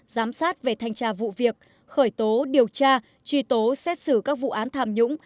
giám sát về thanh tra vụ việc khởi tố điều tra truy tố xét xử các vụ án tham nhũng